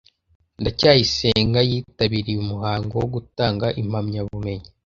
ndacyayisenga yitabiriye umuhango wo gutanga impamyabumenyi